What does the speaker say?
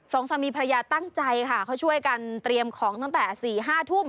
สองสามีภรรยาตั้งใจค่ะเขาช่วยกันเตรียมของตั้งแต่สี่ห้าทุ่ม